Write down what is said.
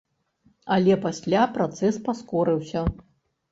Але пасля працэс паскорыўся.